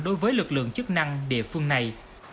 đối với lực lượng chức năng địa phương này